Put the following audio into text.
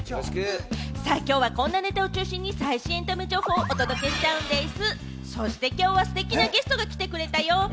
きょうは、こんなネタを中心に新エンタメ情報をお届けしちゃうんでぃす。